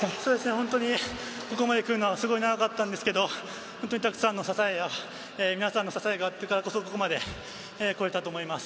本当にここまで来るのはすごい長かったんですけど、本当にたくさんの支えや、皆さんの支えがあったからこそ、ここまでこれたと思います。